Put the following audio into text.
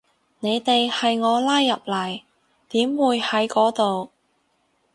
你哋係我拉入嚟，點會喺嗰度